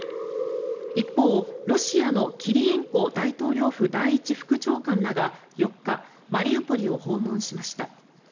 一方、ロシアのキリエンコ大統領府第１副長官らが４日マリウポリを訪問しました。